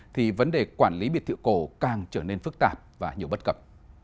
thì vấn đề quản lý biệt thự cổ càng trở nên phức tạp và nhiều bất cập